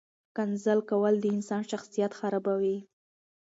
ښکنځل کول د انسان شخصیت خرابوي.